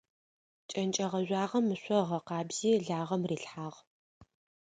Кӏэнкӏэ гъэжъуагъэм ышъо ыгъэкъабзи лагъэм рилъхьагъ.